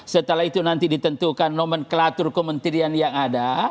setelah itu nanti ditentukan nomenklatur kementerian yang ada